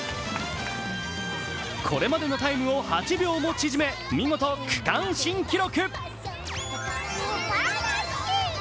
これまでのタイムを８秒も縮め見事区間新記録。